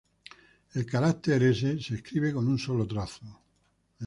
El carácter へ se escribe con un solo trazo.